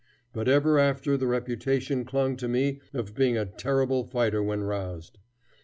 But ever after the reputation clung to me of being a terrible fighter when roused.